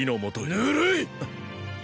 ぬるい！